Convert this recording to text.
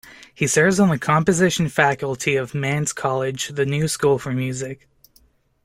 He serves on the composition faculty of Mannes College The New School for Music.